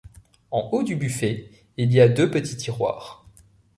En haut du buffet il y a deux petits tiroirs.